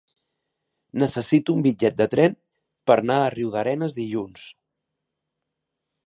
Necessito un bitllet de tren per anar a Riudarenes dilluns.